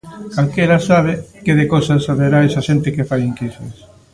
Calquera sabe, que de cousas saberá esa xente que fai enquisas.